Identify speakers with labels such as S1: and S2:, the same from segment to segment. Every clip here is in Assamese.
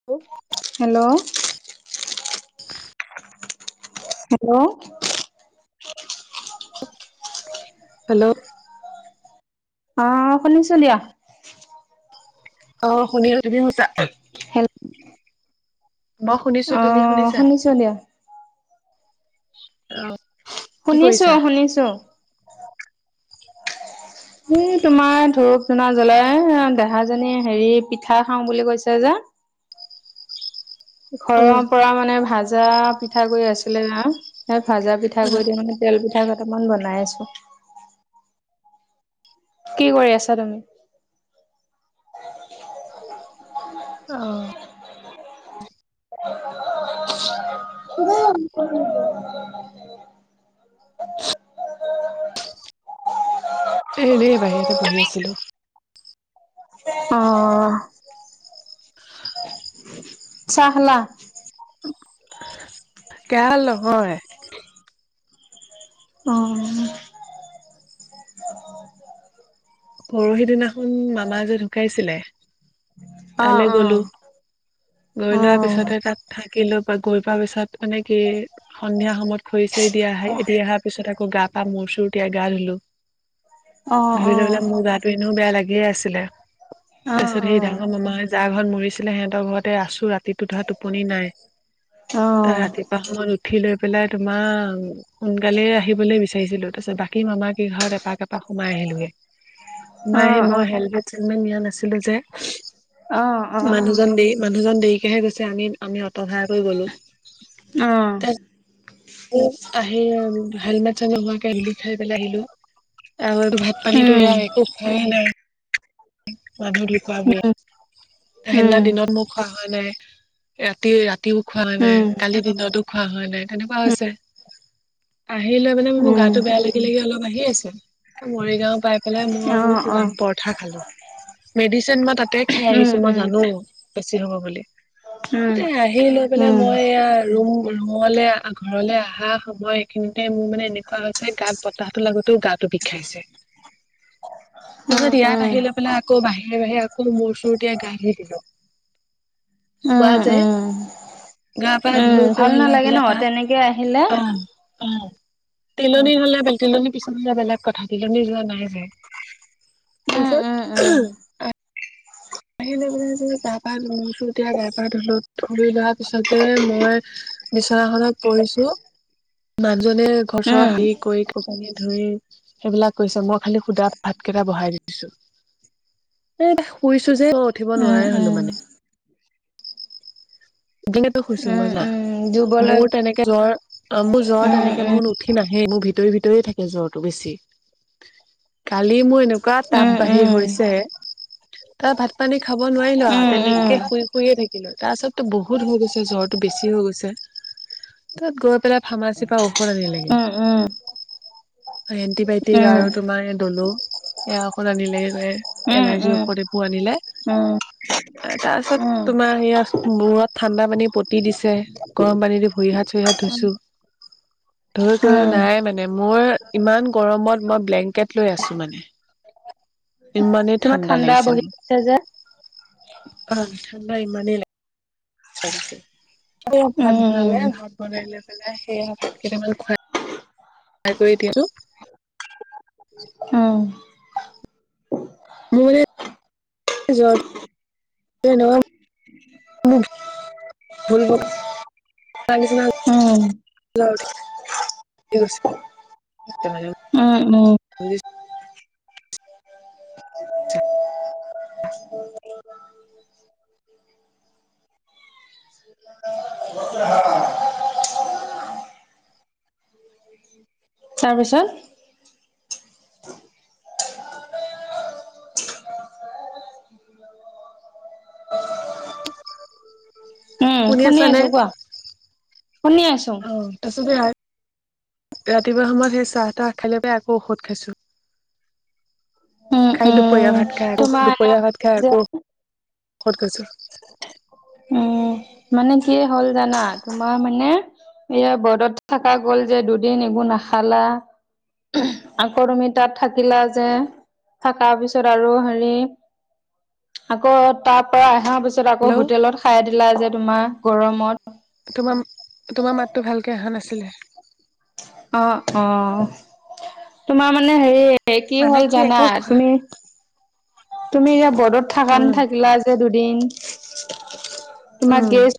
S1: [unintelligible]
S2: হেল্ল'
S1: [inaudible]
S2: হেল্ল'
S1: হেল্ল'
S2: অ' শুনিছো দিয়া।
S1: অ' শুনিছো তুমি শুনিছা?
S2: হেল্ল'
S1: মই শুনিছো তুমি শুনিছা,
S2: শুনিছো দিয়া
S1: অহ
S2: শুনিছোঁ শুনিছোঁ। উম' তোমাৰ ধূপ- ধূনা জ্বলাই দেহাজনী হেৰি পিঠা খাওঁ বুলি কৈছে যে, ঘৰৰ
S1: উম
S2: পৰা মানে ভাজা পিঠাগুড়ি আছিলে, সেই ভাজা
S1: উম
S2: পিঠাগুড়ি দি মানে তেল পিঠা কেইটামান বনাই আছো, কি কৰি আছা তুমি?
S1: অহ'
S2: [unintelligible]
S1: [unintelligible]
S2: [unintelligible]
S1: এ হেৰি বাহিৰতে বহি আছিলো।
S2: অহ' চাহ খালা?
S1: গাল নহয়,
S2: অ
S1: পৰহিদিনাখন মামা যে ঢুকাইছিলে
S2: অ
S1: তালৈ
S2: অ
S1: গলো গৈ
S2: অ
S1: লোৱাৰ পিছতহে তাত থাকিলো বা গৈ পোৱা পিছত মানে কি সন্ধিয়া সময়ত খৰি চৰি দি আহি দি আহা তাৰ পিছত আকৌ গা, পা মূৰ-চুৰ তিয়াই গা ধুলো,
S2: অ অ
S1: ধুই লৈ পেলাই মোৰ গাটো এনেও বেয়া লাগিয়ে আছিলে,
S2: অ
S1: তাৰ পিছত সেই ডাঙৰ মামাই যাৰ ঘৰত মৰিছিলে সিহঁতৰ ঘৰতে আছো, ৰাতিটো ধৰা টোপনি নাই
S2: অ অ
S1: তাৰ ৰাতি পোৱা উঠি লৈ পেলাই তোমাৰ সোনকালে আহিবলে বিচাৰিছিলো, তাৰপিছত বাকী মামা কেই ঘৰত এপাক এপাক সোমাই আহিলোগে। তোমাৰ সেই মই হেলমেট চেলমেট নিয়া নাছিলো যে,
S2: অ অ অ
S1: মানুহজন দে মানুহজন দেৰিকেহে গৈছে আমি আমি অট ভাৰা কৰি গ'লো
S2: অ
S1: আহি হেলমেট চেলমেট নোহোৱাকে ধূলি খাই পেলাই আহিলো আৰু এইটো ভাত পানীতো সেয়া একো খোৱাই নাই মানুহ ঢুকুৱা বোৰে সেইদিনা দিনত মোৰ খোৱা হোৱা নাই ৰাতি ৰাতিও খোৱা নাই কালিৰ দিনতো খোৱা হোৱা নাই তেনেকুৱা হৈছে আহি লৈ মানে মোৰ গাটো বেয়া লাগি লাগি অলপ আহিয়ে আছে মৰিগাঁও পাই পেলাই মই তোমাৰ পৰঠা খালো মেডিচিন মই তাতে খাই আহিছোঁ মই জানো বেছি হ'ব বুলি এযাতে আহি লৈ পেলাই মই এয়া ৰুম ৰুমলৈ ঘৰলৈ আহা সময় খিনতে মোৰ মানে এনেকুৱা হৈছে গাত বতাহতো লাগতেও গাটো বিষাইছে তাৰপিছত ইয়াত আহি লৈ পেলাই আকৌ বাহিৰে বাহিৰে আকৌ মোৰ চুৰ তেতিয়া গাহি দিলো চোৱা যে গা পা ধুই
S2: ভাল
S1: কৈ লৈ
S2: নালাগে ন
S1: পেলাই তাত
S2: তেনেকে আহিলে
S1: পা অ তিলনী হ'লে বে তিলনীৰ পিছন হলে বেলেগ কথা তিলনী যোৱা নাই যে
S2: উম উম
S1: তাৰপিছত অ' আহিলে মানে যদি গা পা ধুইছো তেতিয়া গা- পা ধোলো ধুই লোৱাৰ পিছতে মই বিছনাখনত পৰিছো। মানুহজনে ঘৰ
S2: উম উম
S1: চৰ
S2: উম
S1: সাৰি কৰি কাপোৰ কানি ধুই। সেইবিলাক কৈছে মই খালি সুধা ভাতকেইটা বহাই দি দিছো এ এ শুই। শুইচোজে মই উঠিব
S2: উম
S1: নোৱাৰে হ'লো মানে দিনটো শুইছো
S2: উম
S1: মই না
S2: উম দুৰ্বল
S1: মোৰ তেনেকে জ্বৰ মোৰ জ্বৰ
S2: হৈ
S1: তেনেকে
S2: উম
S1: মোৰ নুঠি নাহে মোৰ ভিতৰি ভিতৰি থাকে জ্বৰটো বেছি কালি মই এনে এনেকোৱা তাপ
S2: উম
S1: বাহিৰ হৈছে তাত ভাত পানী খাব নোৱাৰিলো তেনেকে
S2: উম
S1: তেনেকে
S2: উম
S1: শুই শুইয়ে থাকিলো তাৰ পাছত। ত বহুত হৈ গৈছে জ্বৰটো বেছি হৈ গৈছে তাত গৈ পেলাই ফাৰ্মাচীৰ পৰা ঔষধ আনিলেগে
S2: উম- উম
S1: এন্টিবায়টিক আৰু তোমাৰ এ দ'ল। এয়া ঔষধ আনিলেগে গৈ
S2: উম
S1: এলাৰ্জি ঔষধ
S2: উম
S1: এইবোৰ আনিলে। তাৰ পাছত
S2: উম
S1: তোমাৰ সেয়া মূৰত ঠাণ্ডা পানী পতি দিছে গৰম পানী দি ভৰি হাত চৰি হাত ধুইছো। ধুই কৰিও
S2: উম
S1: নাই মানে মোৰ ইমান গৰমত মই ব্লেংকেট লৈ আছো মানে। [unintelligible] ইমানেই
S2: [unintelligible]
S1: ঠাণ্ডা লাগিছে ম,
S2: বহি আছে যে
S1: আহ ঠাণ্ডা ইমানেই লাগ। লাগিছে
S2: উম
S1: ভাত
S2: উম
S1: বনালে ভাত বনাই লৈ পেলাই সেইয়া ভাত কেইটামান খোৱাই। খাই কৰি দিলোঁ।
S2: অ'
S1: মোৰ মানে জ্বৰটো। এই নহয় ভুল
S2: উম।
S1: [unintelligible]
S2: উম উম
S1: [unintelligible] ছা।
S2: মজা তাৰপিছত? উম
S1: শুনি আছা নে?
S2: আছো কোৱা শুনি আছো
S1: অ তাৰপিছতে। ৰাতিপুৱা সময়ত সেই চাহ তাহ খালে লৈ পেলাই আকৌ ঔষধ খাইছো।
S2: উম
S1: খাই দুপৰীয়া
S2: উম
S1: ভাত খাই আকৌ
S2: তোমাৰ
S1: দুপৰীয়া ভাত খাই আকৌ ঔষধ খাইছো।
S2: উম মানে কি হ'ল জানা তোমাৰ মানে। এয়া বৰ্তত থকা গ'ল যে দুদিন একো নাখালা। আকৌ তুমি তাত থাকিলা যে। থাকা পিছত আৰু হেৰি আকৌ তাৰ পৰা অহা পিছত তাৰ পিছত আকৌ
S1: হেল্ল'
S2: হোটেলত খাই দিলা যে তোমাৰ গৰমত।
S1: তোমাম তোমাৰ মাতটো ভালকে অহা নাছিলে।
S2: অ' অ' তোমাৰ মানে হেৰি এ কি
S1: মানে
S2: হ'ল জানা
S1: একো খোৱা
S2: তুমি? তুমি এতিয়া বদত থাকান
S1: উম,
S2: থাকিলা যে দুদিন। তোমাৰ
S1: উম,
S2: গেষ্ট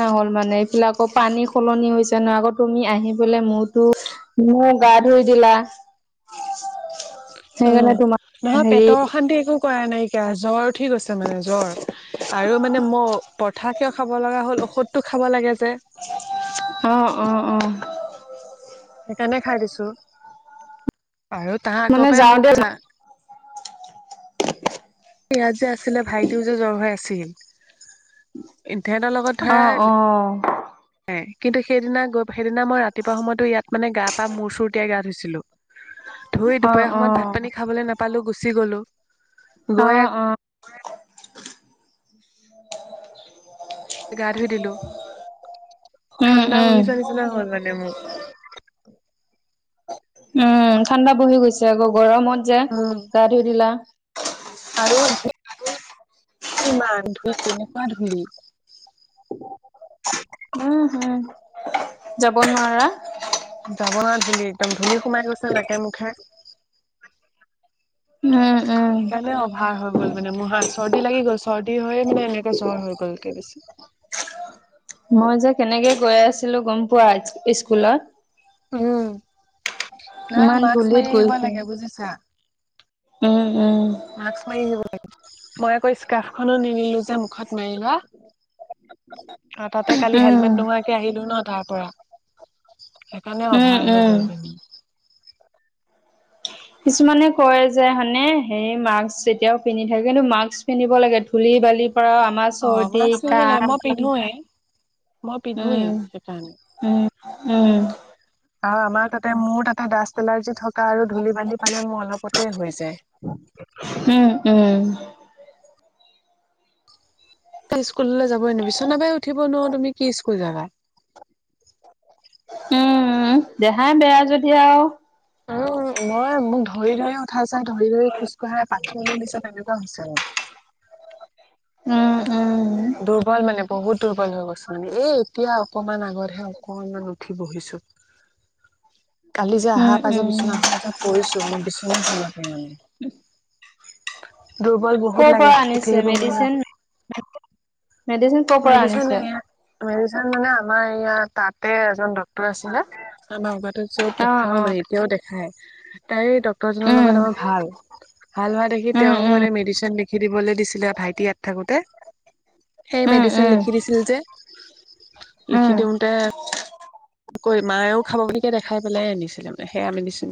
S2: না হ'ল মানে এইবিলাক পানী সলনি হৈছে ন' আকৌ তুমি আহি বলে ময়োটো ময় গা ধুই দিলা।
S1: অ'
S2: সেইকাৰণে তোমাৰ
S1: নহয়
S2: হেৰি
S1: পেটৰ অশান্তি একো। কৰা নাইকিয়া জ্বৰ উঠি গৈছে মানে জ্বৰ। আৰু মানে ম পৰঠা কিয় খাব লগা হ'ল ঔষধটো খাব লাগে যে।
S2: অ ' অ ' অ '
S1: সেইকাৰণে খাই দিছো আৰু তা
S2: মানে
S1: আগয় পাই
S2: যাওঁতে
S1: মোক ঘা।
S2: [unintelligible]
S1: ইয়াত যে আছিলে ভাইটোও যে জ্বৰ হৈ আছিল, তেহঁতৰ লগত ধৰা
S2: অঁ।
S1: য়ে কিন্তু সেইদিনা গৈ সেইদিনা মই ৰাতিপুৱা সময়তো ইয়াত মানে গা পা মূৰ চুৰ টিয়াই গা ধুইছিলো। ধুই
S2: অ অ
S1: দুপৰীয়া সময়ত ভাত - পানী খাবলে নাপালো গুচি গলো। গৈ
S2: অঁ অঁ।
S1: গা ধুই দিলো,
S2: উম
S1: ঠাণ্ডা
S2: উম
S1: বহিছ নিছিনা হল মানে মোক।
S2: উম ঠাণ্ডা বহি গৈছে আকৌ গৰমত যে
S1: উম
S2: গা ধুই দিলা।
S1: আৰু ধুই কিমান ধুই কেনেকুৱা ধূলি।
S2: উম হুম যাব নোৱাৰা।
S1: যাব নোৱা ধূলি একদম ধূলি সোমাই গৈছে নাকে - মুখে।
S2: উম! উম!
S1: সেইকাণে অভাৰ হৈ গ'ল মানে মূহা চৰ্দি লাগি গ'ল, চৰ্দি হৈয়ে মানে এনেকে জ্বৰ হৈ গলকে বেছি।
S2: মই যে কেনেকে গৈ আছিলো গম পোৱা ইচ স্কুলত।
S1: উম নাই
S2: ইমান
S1: মাক্স
S2: ধূলিত
S1: মাৰি আহিব
S2: গৈছো
S1: লাগে বুজিছা।
S2: উম! উম!
S1: মাস্ক মাৰি দিব লাগে, মই আকৌ স্কাৰ্ফখনো নিনিলো যে মুখত মাৰি লোৱা। আ তাতে কালি হেলমেট
S2: উম
S1: নোহোৱাক তে আহিলো ন তাৰ পৰা সেইকাণে
S2: উম
S1: অভাৰ হৈ
S2: উম
S1: গলগে।
S2: কিছুমানে কয় যে হনে সেই মাস্ক যেতিয়াও পিন্ধি থাকেটো মাস্ক পিন্ধিব লাগে ধূলি - বালি পৰাও আমাৰ চৰ্দি- কাহ
S1: পিধুৱেই, মই পিধুৱেই
S2: উম
S1: সেইকাৰণে।
S2: উম! উম!
S1: আও আমাৰ তাতে মোৰ তাতে ডাষ্ট এলাৰ্জি থকা আৰু ধূলি - বালি পালে মোৰ অলপতে হৈ যায়।
S2: উম উম।
S1: খন স্কুললৈ যাবই নিবিচনাতে উঠিব নোৱাৰ তুমি কি স্কুল যাবা?
S2: উম দেহাই বেয়া যদি আৰু
S1: উম মই মোক ধৰি - ধৰি উঠা চাই ধৰি - ধৰি খোজ কঢ়াই বাথৰুমত লৈ গৈছে। সেনেকোৱা হৈছে মো।
S2: উম! উম!
S1: দুৰ্বল মানে বহুত দুৰ্বল হৈ গৈছো মানে এ এতিয়া অকমান আগতহে অকনমান উঠি বহিছো। [unintelligible] কালি যে আহা
S2: উম
S1: পা যে
S2: উম
S1: বিছনাখন যে পৰিছো মোক বিচনাখনতে মানে। দুৰ্বল বহুত
S2: কৰ
S1: লাগে
S2: পৰা
S1: উঠি
S2: আনিছে
S1: আহিব মনৱা।
S2: মেডিচিন মেডিচিন কৰ পৰা
S1: মেডিচিন
S2: আনিছে
S1: নিনিয়ে, মেডিচিন মানে আমাৰ ইয়া তাতে এজন ড টৰ আছিলে, ত ন আগতে যত
S2: অ
S1: দেখাও
S2: অ
S1: মানে এতিয়াও দেখায়, তাই ড ডক্তৰ জনৰ
S2: উম
S1: লগত ভাল, ভাল হোৱা দেখি
S2: উম
S1: তেওঁক মোক
S2: উম
S1: মানে মেডিচিন খেদিবলৈ দিছিলে আৰু ভাইটি ইয়াত থাকোতে। সেই
S2: উম
S1: মেডিচিন
S2: উম
S1: লিখি দিছিল যে, লিখি
S2: উম
S1: দিওঁতে কৰি মায়েও খাব বুলিকে দেখাই পেলাই আনিছিলে মানে সেয়া মেডিচিন।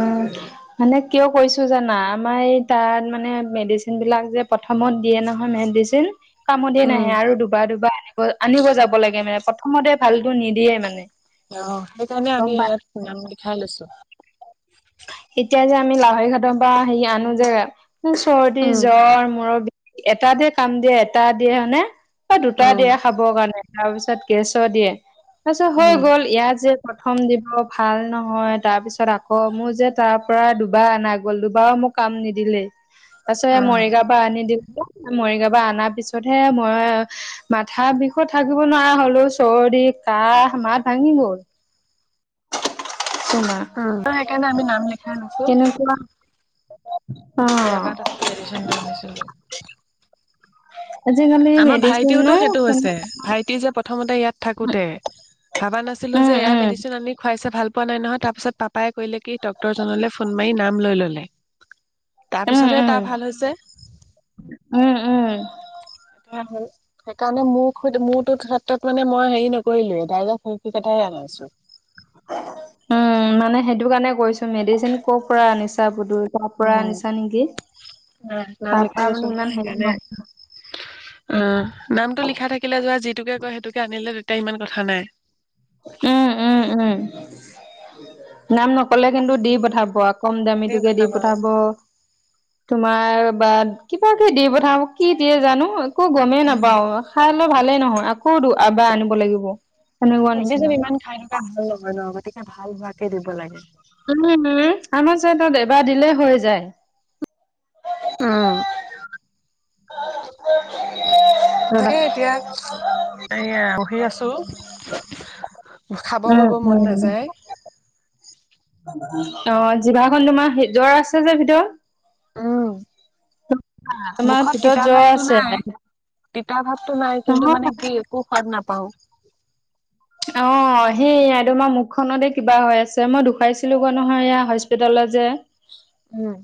S2: উম মানে কিয় কৈছো জানা আমাৰ এই তাত মানে মেডিচিনবিলাক যে পা থমত দিয়ে নহয় মেডিছিন। কামতে নাহে
S1: উম
S2: আৰু দুবা - দুবা আনিব - আনিব যাব লাগে মানে প্ৰথমতে ভালটো নিদিয়ে মানে।
S1: অঁ সেইকাৰণে
S2: গম
S1: আমি
S2: পা
S1: ইয়াত নাম লিখাই লৈছো।
S2: এতিয়া যে আমি লাহৰি ঘাটৰ পৰা হে আনো যে চৰ্দি,
S1: উম
S2: জ্বৰ, মূৰৰ বি এটা দে কাম দিয়ে এটা দিয়ে হয়নে বা দুটা
S1: উম
S2: দিয়ে খাবৰ কাৰণে। তাৰপিছত গেছো দিয়ে তাৰপিছত হৈ
S1: উম
S2: গ'ল ইয়াত যে প্ৰথম দিব ভাল নহয় তাৰ পিছত আ অঁ মোৰ যে তাৰ পৰা দুবাৰ আনা গল দুবাৰ মোক কাম নিদিলেই তাৰ পিছত
S1: উম
S2: মৰিগাওঁ তাপা আনি দিলো মৰিগাঁও পৰা আনাৰ পিছতহে মই মাথা বিষত থাকিব নোৱাৰা হলো চৰ্দি কাহ মাত ভাঙি গ'ল না
S1: ত সেইকাৰণে আমি নাম লিখাই লৈছো।
S2: [unintelligible] অ
S1: ইয়াবাৰ তাকৈ মেডিচিনটো আনিছিলো
S2: আজিকালি
S1: আমাৰ
S2: মেডিচিন ন
S1: ভাইটিওতো সেইটো হৈছে
S2: কেনেকুৱা
S1: ভাইটি যে প্ৰথমতে ইয়াত থাকোতে ভাবা নাছিলো
S2: উম
S1: যে এয়া
S2: উম
S1: মেডিচিন আনি খুৱাইছে ভাল পোৱা নাই নহয় তাৰপিছত পাপাই কলে কি ত ডক্তৰ জনলৈ ফোন মাৰি নাম লৈ ললে
S2: উম
S1: তাৰপিছতহে তাৰ ভাল হৈছে
S2: উম উম। উম।
S1: এ হল সেইকাৰণে মোৰ খোদ মোৰ তোত ক্ষেত্ৰত মানে মই হেৰি নকৰিলেই ডাইৰেক্ট সে কেটাই আনি আছো।
S2: উম মানে সেইটো কাৰণে কৈছো মেডিচিন কৰ পৰা আনিছা বুলি। তাৰ পৰা
S1: উম,
S2: আনিছা নিকি
S1: নাই
S2: তাৰ পৰা মানে ইমান হেৰি নহয়
S1: অঁ নামটো লিখা থাকিলে যা যিটোকে কয় সেইটোকে আনিলে তেতিয়া ইমান কথা নাই
S2: উম উম উম নাম নকলে কিন্তু দি পঠাব আক কম
S1: ধেৰ
S2: দামীটোকে
S1: কথা
S2: দি
S1: বাৰু
S2: পঠাব তোমাৰ বাদ কিবা কিব দি পঠাব কি দিয়ে জানো একো গমেই
S1: উম।
S2: নাপাও খাই লৈ ভালেই নহয় আকৌ এবাৰ আনিব লাগিব সেনুকা নিচিনা
S1: মেডিচিন ইমান খাই থকা ভাল নহয় ন গতিকে ভাল হোৱাকে দিব লাগে
S2: আমাৰ চাইটত এবাৰ দিলে হৈ যায়
S1: অঁ তাকে এতিয়া এইয়া বহি আছো খাব বব
S2: উম
S1: মন
S2: উম
S1: নাযায়
S2: অ জিভাখন তোমাৰ জ্বৰ আছে যে ভিতৰত
S1: উম
S2: তোমাৰ
S1: মুখত
S2: ভিতৰত
S1: তিতা
S2: জ্বৰ
S1: ভাৱটো
S2: আছে
S1: নাই তিতা ভাবটো নাই কিন্তু মানে কি
S2: নহয়
S1: একো সোৱাদ নাপাও
S2: অঁ সেইয়াই তোমাৰ মুখখনতে কিবা হৈ আছে মই দেখুৱাইছিলো গৈ নহয় এয়া হস্পিতলত যে
S1: উম।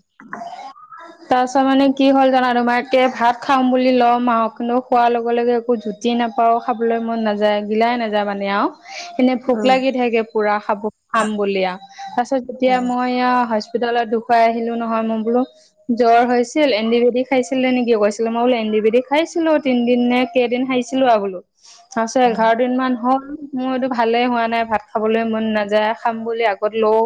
S2: তাৰপাছত মানে কি হ'ল জানা তোমাৰ কে ভাত খাম বুলি ল'ম আহ কিন্তু খোৱাৰ লগে লগে একো জুত জি নাপাও খাবলৈ মন নাযায় গিলাই নাযায় মানে আৰু এনেই ভোক
S1: উম
S2: লাগি থাকে পুৰা খাব খাম বুলি আ তাৰ পিছত যেতিয়া
S1: উম
S2: মই আ হস্পিতলত দেুখুৱাই আহিলো নহয় মো বোলো জ্বৰ হৈছিল এণ্টিবেটিক খাইছিলে নেকি কৈছিলে মই বোল এণ্টিবেটিক খাইছিলো তিনদিন নে কেইদিন খাইছ ছিলো আ বোলো তাৰপিছত
S1: উম
S2: এঘাৰ দিন মান হ'ল মোৰ এটো ভালে হোৱা নাই ভাত খাবলৈ মন নাযায় খাম বুলি আগত লও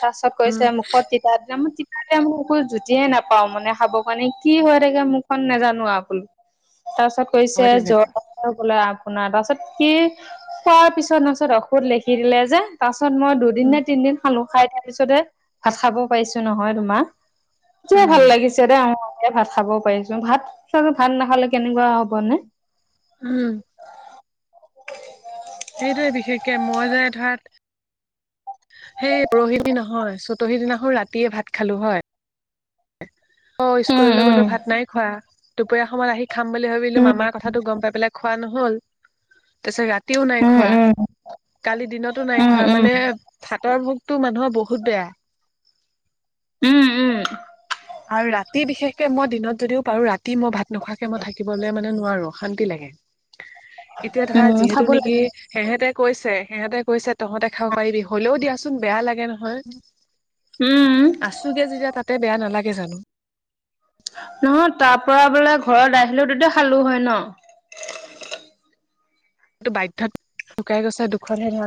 S2: তাৰ পাছত কৈছে
S1: উম,
S2: মোক মূখত তিতা তিতা মো তিত এতিয়া মো একো জুতিয়ে নাপাও মানে খাব কাৰণে কি হৈ থাকে মুখখন নাজানো আৰু বোলো তাৰপিছত কৈছে
S1: হয়
S2: জ্বৰ
S1: তেনেকুৱা
S2: জ্বৰ বলে আপোনাৰ তাৰপাছত কি খোৱাৰ পিছত তাছত অখুদ লিখি দিলে যে তাৰ পাছত মই দুদিন
S1: উম।
S2: নে তিনদিন খালো খাই তাৰ পিছতে ভাত খাব পাৰিছো নহয় তোমাৰ এতিয়া
S1: উম
S2: ভাল লাগিছে দে ভাত খাব পাৰিছো ভাত চাগৈ ভাত নাখালে কেনেকুৱা হ'ব নে
S1: উম সেইটোৱে বিশেষকে মই যে ধাত সেই পৰহি দি নহয় চতহি দিনাখন ৰাতিয়ে ভাত খালো হয় অ
S2: উম
S1: স্কুললৈ গলো ভাত নাই খোৱা দুপৰীয়া সময়ত আহি খাম বুলি ভাবিলো
S2: উম
S1: মামাৰ কথাটো গম পাই পেলাই খোৱা নহল তাৰপিছত ৰাতিও নাই
S2: উম
S1: খোৱা
S2: উম
S1: কালি দিনতো নাই
S2: উম উম
S1: খোৱা
S2: উম
S1: মানে ভাতৰ ভোগটো মানুহৰ বহুত বেয়া
S2: উম উম,
S1: আৰু ৰাতি বিশেষকে মই দিনত যদিও পাৰো ৰাতি মই ভাত নোখোৱাকে মই থাকিবলৈ মানে, নোৱাৰো শান্তি লাগে এতিয়া ধৰা
S2: উম খাব
S1: যিহেতু নেকি।
S2: লাগে
S1: সেহেতে কৈছে সেহেতে কৈছে তহতে খাব পাৰিবি হ'লেও দিয়াচোন বেয়া লাগে নহয়। হয়
S2: উম
S1: আছোগে যেতিয়া তাতে বেয়া নালাগে জানো।
S2: নহ তাৰ পৰা বোলে ঘৰত আহিলে তেতিয়া খালো হয় ন।
S1: সটো বাধ্যত শুকাই গৈছে দুখনহে নহ,